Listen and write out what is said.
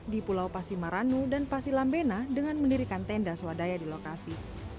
di pulau pasimaranu dan pasilambena dengan mendirikan tenda swadaya di lokasi